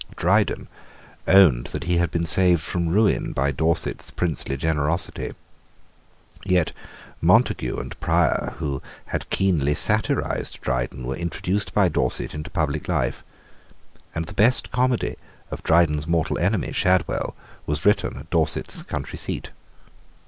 Dryden owned that he had been saved from ruin by Dorset's princely generosity. Yet Montague and Prior, who had keenly satirised Dryden, were introduced by Dorset into public life; and the best comedy of Dryden's mortal enemy, Shadwell, was written at Dorset's country seat.